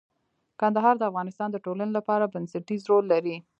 کندهار د افغانستان د ټولنې لپاره بنسټيز رول لري.